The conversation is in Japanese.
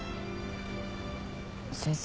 先生。